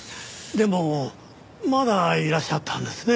でもまだいらっしゃったんですね。